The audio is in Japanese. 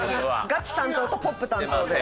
ガチ担当とポップ担当で。